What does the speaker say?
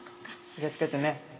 気をつけてね。